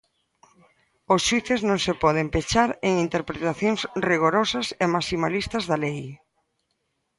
Os xuíces non se poden pechar en interpretacións rigorosas e maximalistas da lei.